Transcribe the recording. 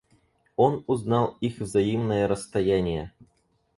Он узнал их взаимные расстояния.